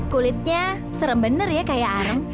kulitnya serem bener ya kayak arem